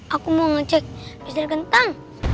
aku mau ngecek pisau kentang